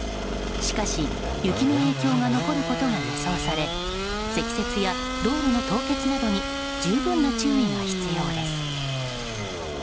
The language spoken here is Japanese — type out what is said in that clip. しかし雪の影響が残ることが予想され積雪や道路の凍結などに十分な注意が必要です。